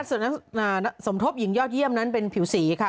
ส่วนนักสมทบหญิงยอดเยี่ยมนั้นเป็นผิวสีค่ะ